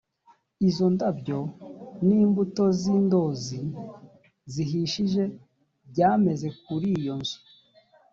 izo ndabyo ni imbuto z’indozi zihishije byameze kuri iyo nzu